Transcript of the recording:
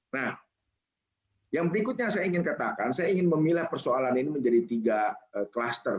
nah yang berikutnya saya ingin katakan saya ingin memilah persoalan ini menjadi tiga kluster